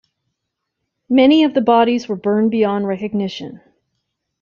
Many of the bodies were burned beyond recognition.